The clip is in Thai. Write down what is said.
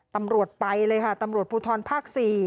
ตำรวจไปเลยค่ะตำรวจภูทรภาค๔